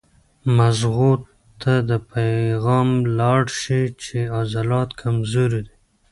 مزغو ته پېغام لاړ شي چې عضلات کمزوري دي